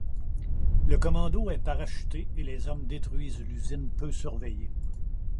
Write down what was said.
Le commando est parachuté et les hommes détruisent l'usine peu surveillée.